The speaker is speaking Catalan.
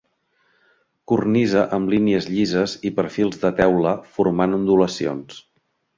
Cornisa amb línies llises i perfils de teula formant ondulacions.